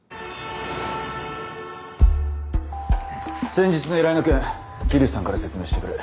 先日の依頼の件桐生さんから説明してくれ。